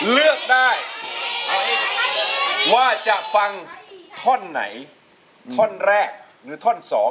เลือกได้ว่าจะฟังท่อนไหนท่อนแรกหรือท่อน๒